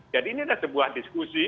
jadi ini adalah sebuah diskusi